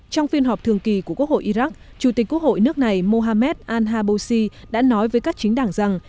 trong phiên họp thường kỳ của quốc hội iraq chủ tịch quốc hội nước này mohamed al haboshi đã nói với các chính đảng rằng